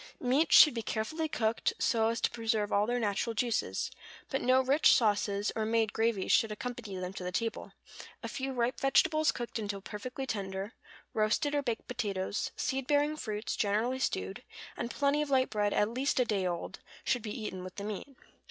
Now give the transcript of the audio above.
Meats should be carefully cooked, so as to preserve all their natural juices; but no rich sauces, or made gravies, should accompany them to the table; a few ripe vegetables cooked until perfectly tender, roasted or baked potatoes, seed bearing fruits, generally stewed, and plenty of light bread at least a day old, should be eaten with the meat.